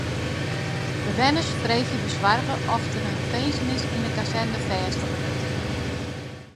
Bewenners freegje besoarge oft der in finzenis yn de kazerne fêstige wurdt.